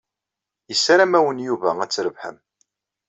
Yessaram-awen Yuba ad trebḥem.